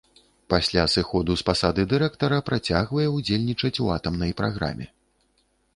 Пасля сыходу з пасады дырэктара працягвае ўдзельнічаць у атамнай праграме.